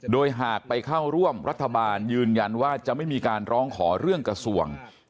โดยหากไปเข้าร่วมรัฐบาลยืนยันว่าจะไม่มีการร้องขอเรื่องกระทรวง